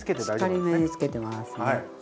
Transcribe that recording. しっかりめにつけてますね。